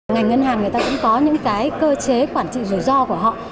ngành ngân hàng người ta cũng có những cái cơ chế quản trị rủi ro của họ